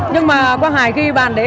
nhưng mà quang hải ghi bàn đấy